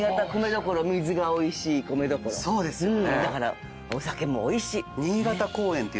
だからお酒もおいしい。